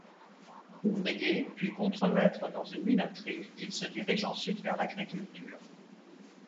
Ouvrier, puis contremaitre dans une minoterie, il se dirige ensuite vers l'agriculture.